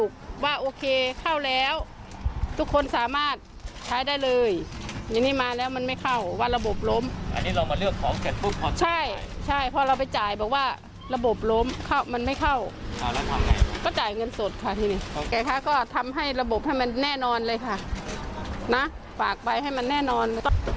แกคะก็ทำให้ระบบให้มันแน่นอนเลยค่ะนะฝากไปให้มันแน่นอน